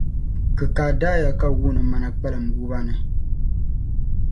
Kikaa daaya ka wuuni mana kpalim wuba ni.